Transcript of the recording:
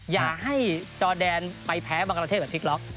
อย่าให้จอแดนไปแพ้บังกรเทศแบบพลิกล็อก